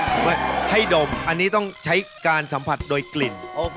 บอกซิไม่ให้ได้ให้ดมอันนี้ต้องใช้การสัมผัสโดยกลิ่น